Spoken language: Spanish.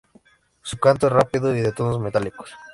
Su canto es rápido y de tonos metálicos.